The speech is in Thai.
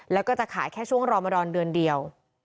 แล้วก็จะขายแค่ช่วงรอมดอนเดือนเดียว